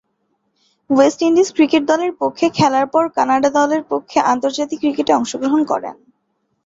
West Indies cricket দলের পক্ষে খেলার পর কানাডা দলের পক্ষে আন্তর্জাতিক ক্রিকেটে অংশগ্রহণ করেন।